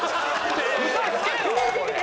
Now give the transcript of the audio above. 嘘つけよ！